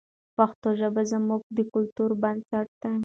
پښتو ژبه زموږ د کلتور بنسټ دی.